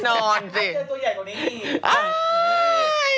เราจะเจอตัวใหญ่กว่านี้